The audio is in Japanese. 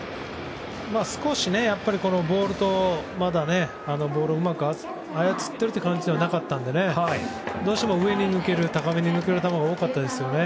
少しボールをうまく操っている感じではなかったのでどうしても上に抜ける、高めに抜ける球が多かったですね。